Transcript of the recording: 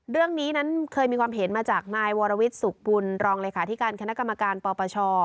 เรื่องนี้นั้นเคยมีความเห็นมาจากนายวรวิทย์สุขบุญรองเลขาธิการคณะกรรมการปปช